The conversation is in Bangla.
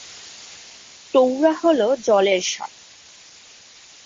টোড়া হল জলের সাপ।